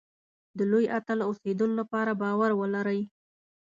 د لوی اتل اوسېدلو لپاره باور ولرئ.